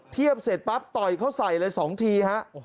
เทียบเสร็จปั๊บต่อยเขาใส่เลย๒ทีฮะ